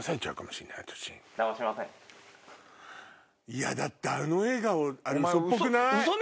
いやだってあの笑顔ウソっぽくない？